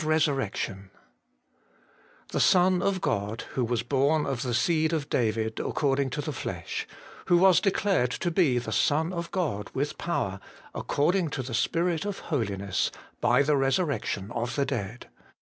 f&oitnesg anlr The Son of God, who was born of the seed of David according to the flesh, who was declared to be the Son of God with power, according to the Spirit of holiness, by the resurrection of the dead.'